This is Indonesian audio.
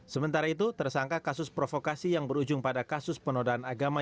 sementara itu tersangka kasus provokasi yang berujung pada kasus penodaan agama